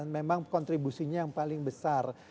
memang kontribusinya yang paling besar